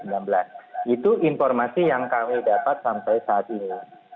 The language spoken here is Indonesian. itu informasi yang kami dapat sampai saat ini